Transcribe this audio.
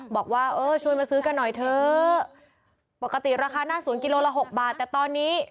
บอกว่าเออช่วยมาซื้อกันหน่อยเถอะปกติราคาหน้าสวนกิโลละหกบาทแต่ตอนนี้